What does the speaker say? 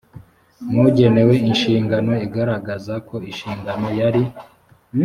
n ugenewe inshingano igaragaza ko inshingano yari